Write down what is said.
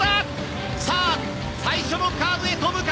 さあ最初のカーブへと向かう！